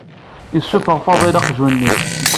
Yessufeɣ Faḍil aqjun-nni.